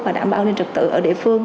và đảm bảo an ninh trật tự ở địa phương